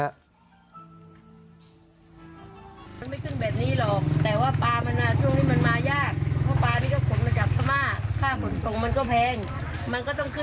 มันไม่ขึ้นแบบนี้หรอกแต่ว่าปลามันช่วงนี้มันมายาก